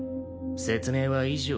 説明は以上。